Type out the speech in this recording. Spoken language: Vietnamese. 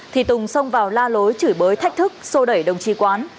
thì tùng xông vào la lối chửi bới thách thức sô đẩy đồng chí quán